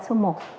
ba số một